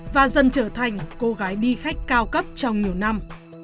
và dần trở thành cô gái đi khách cao cấp trong nhiều năm